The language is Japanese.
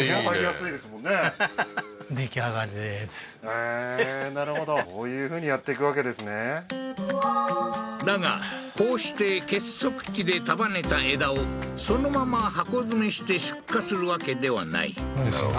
へえーなるほどこういうふうにやっていくわけですねだがこうして結束機で束ねた枝をそのまま箱詰めして出荷するわけではない何するんだ？